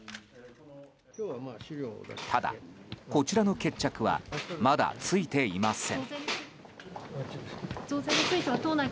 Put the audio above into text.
ただ、こちらの決着はまだついていません。